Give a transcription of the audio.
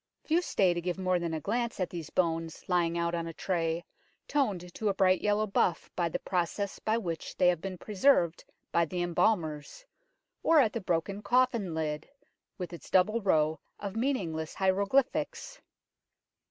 Few stay to give more than a glance at these bones, lying out on a tray, toned to a bright yellow buff by the process by which they have been preserved by the embalmers, or at the broken coffin lid, with its double row of meaningless hieroglyphics.